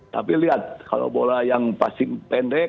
tapi lihat kalau bola yang pasti pendek